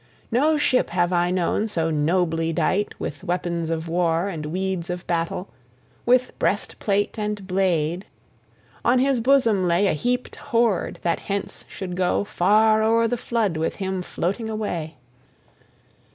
No ship have I known so nobly dight with weapons of war and weeds of battle, with breastplate and blade: on his bosom lay a heaped hoard that hence should go far o'er the flood with him floating away.